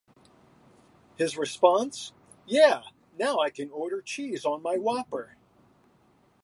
His response: "Yeah, now I can order cheese on my Whopper".